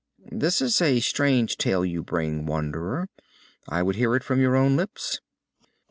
"This is a strange tale you bring, wanderer. I would hear it from your own lips."